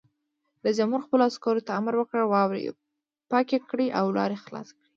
رئیس جمهور خپلو عسکرو ته امر وکړ؛ واورې پاکې کړئ او لارې خلاصې کړئ!